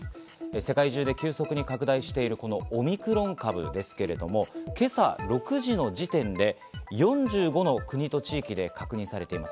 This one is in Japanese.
世界中で急速に拡大しているオミクロン株ですけれども今朝６時の時点で４５の国と地域で確認されています。